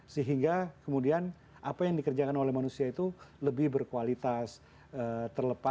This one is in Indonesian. sehingga kemudian apa yang dikerjakan oleh manusia itu lebih berkualitas terlepas